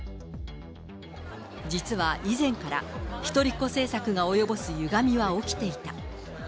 実は以前から、一人っ子政策が及ぼすゆがみは起きていた。